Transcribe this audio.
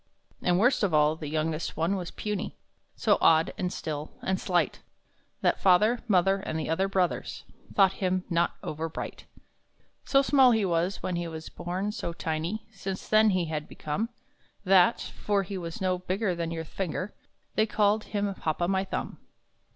And, worst of all, the youngest one was puny, So odd, and still, and slight, That father, mother, and the other brothers, Thought him not over bright. So small he was when he was born, so tiny Since then he had become, That for he was no bigger than your finger They called him Hop o' my Thumb.